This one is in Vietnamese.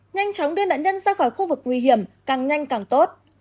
nhanh chóng đưa nạn nhân ra khỏi khu vực nguy hiểm càng nhanh càng tốt